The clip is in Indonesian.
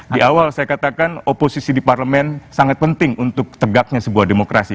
di awal saya katakan oposisi di parlemen sangat penting untuk tegaknya sebuah demokrasi